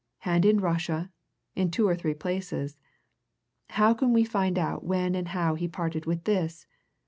And in Russia in two or three places. How can we find out when and how he parted with this?